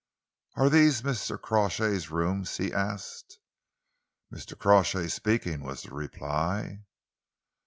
"Are these Mr. Crawshay's rooms?" he asked. "Mr. Crawshay speaking," was the reply.